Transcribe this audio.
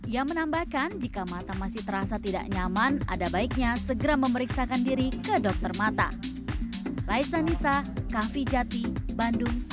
ia menambahkan jika mata masih terasa tidak nyaman ada baiknya segera memeriksakan diri ke dokter mata